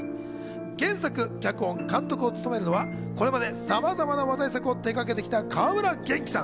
原作・脚本・監督を務めるのは、これまで様々な話題作を手がけてきた川村元気さん。